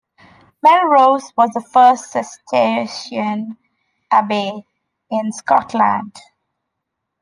Melrose was the first Cistercian abbey in Scotland.